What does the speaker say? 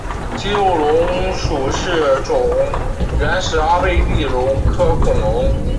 肌肉龙属是种原始阿贝力龙科恐龙。